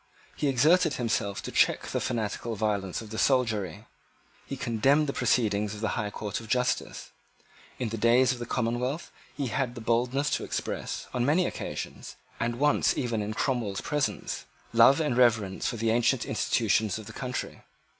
He exerted himself to check the fanatical violence of the soldiery. He condemned the proceedings of the High Court of Justice. In the days of the Commonwealth he had the boldness to express, on many occasions, and once even in Cromwell's presence, love and reverence for the ancient institutions of the country.